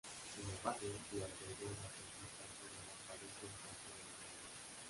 Sin embargo, durante el duelo Afrodita se lleva a Paris del campo de batalla.